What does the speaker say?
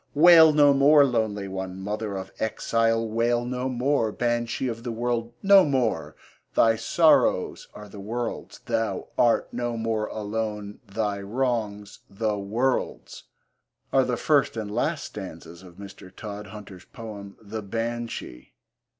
Wail no more, lonely one, mother of exile wail no more, Banshee of the world no more! Thy sorrows are the world's, thou art no more alone; Thy wrongs the world's are the first and last stanzas of Mr. Todhunter's poem The Banshee.